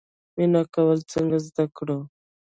مینه کول څنګه زده کړو؟